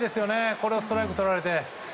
これをストライクとられて。